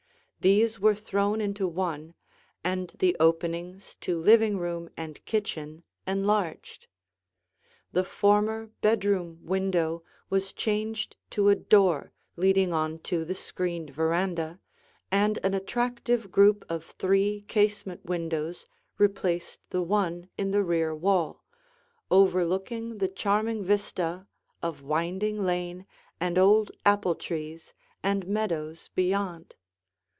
These were thrown into one, and the openings to living room and kitchen enlarged. The former bedroom window was changed to a door leading on to the screened veranda, and an attractive group of three casement windows replaced the one in the rear wall, overlooking the charming vista of winding lane and old apple trees and meadows beyond.